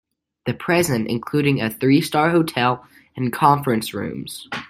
The present including a three-star hotel and conference rooms.